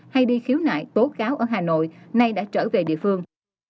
hay đi khiếu nại tố cáo ở hà nội nay đã trở về địa phương